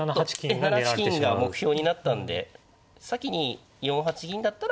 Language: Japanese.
ええ７八金が目標になったんで先に４八銀だったらまあ